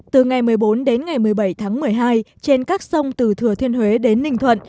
từ ngày một mươi bốn đến ngày một mươi bảy tháng một mươi hai trên các sông từ thừa thiên huế đến ninh thuận